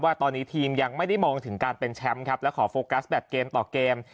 ว่าตอนนี้ทีมยังไม่ได้มองถึงการเป็นแชมป์ครับและขอโฟกัสแบบเกมต่อเกม